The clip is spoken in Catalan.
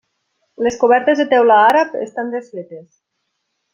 Les cobertes de teula àrab estan desfetes.